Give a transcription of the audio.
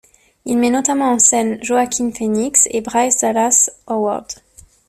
Il met notamment en scène Joaquin Phoenix et Bryce Dallas Howard.